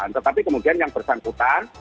tetapi kemudian yang bersangkutan